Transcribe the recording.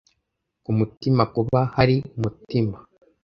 ku mutima kuba hari umutima